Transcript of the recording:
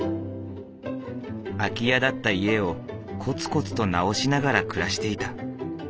空き家だった家をコツコツと直しながら暮らしていた。